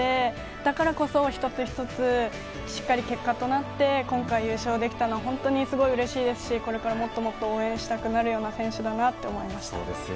だからこそ、１つ１つしっかり結果となって今回、優勝できたのは本当にうれしいですしこれから、もっともっと応援したくなるような選手だなと思いました。